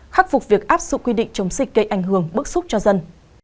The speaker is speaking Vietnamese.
khắc phục việc áp dụng quy định chống dịch gây ảnh hưởng bức xúc cho dân